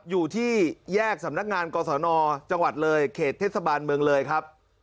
อยู่ที่แยกสำนักงานกศนจังหวัดเลยเขตเทศบาลเมืองเลยครับ